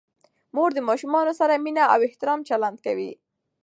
مور د ماشومانو سره مینه او احترام چلند کوي.